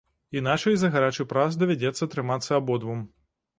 Іначай за гарачы прас давядзецца трымацца абодвум.